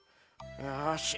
よし。